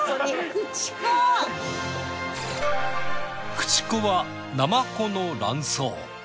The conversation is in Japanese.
くちこはナマコの卵巣。